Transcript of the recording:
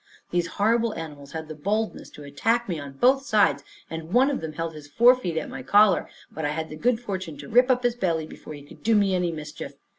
These horrible animals had the boldness to attack me on both sides, and one of them held his forefeet at my collar; but I had the good fortune to rip up his belly before he could do me any mischief.